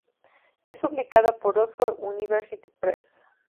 Es publicada por Oxford University Press.